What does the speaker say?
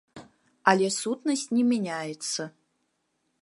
Але сутнасць не мяняецца.